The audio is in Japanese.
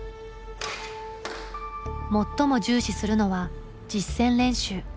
最も重視するのは実戦練習。